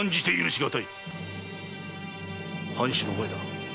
藩主の前だ。